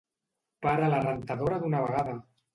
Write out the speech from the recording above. Para la rentadora d'una vegada!